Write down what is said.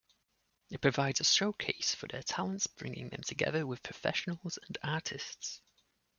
It provides a showcase for their talents, bringing them together with professionals and artists.